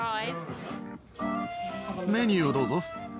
メニューをどうぞ。